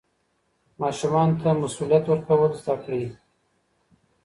ماشومانو ته مسوولیت ورکول زده کړئ.